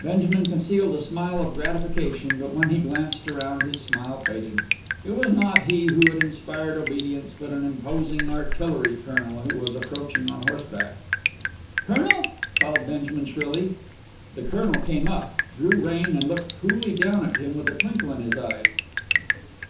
Benjamin concealed a smile of gratification, but when he glanced around his smile faded. It was not he who had inspired obedience, but an imposing artillery colonel who was approaching on horseback. "Colonel!" called Benjamin shrilly. The colonel came up, drew rein, and looked coolly down at him with a twinkle in his eyes.